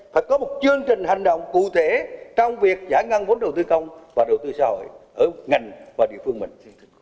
phải có một chương trình hành động cụ thể trong việc giải ngân vốn đầu tư công và đầu tư xã hội ở ngành và địa phương mình